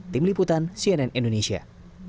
tim liputan cnn indonesia